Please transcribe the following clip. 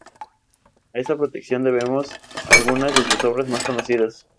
A esta protección debemos algunas de sus obras más conocidas.